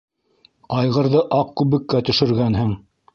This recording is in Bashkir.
Айғырҙы аҡ күбеккә төшөргәнһең!